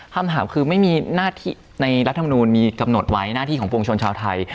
คำถามคือไม่มีหน้าที่ในรัฐมนูลมีกำหนดไว้หน้าที่ของปวงชนชาวไทย